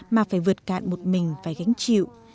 mà phải vượt cạn một mình và gánh chịu